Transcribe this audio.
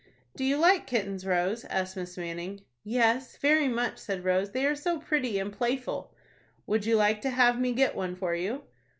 "Do you like kittens, Rose?" asked Miss Manning. "Yes, very much," said Rose; "they are so pretty and playful." "Would you like to have me get one for you?"